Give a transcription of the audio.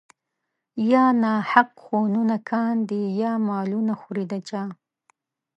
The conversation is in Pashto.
يا ناحق خونونه کاندي يا مالونه خوري د چا